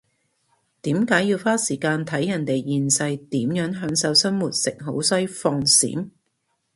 點解要花時間睇人哋現世點樣享受生活食好西放閃？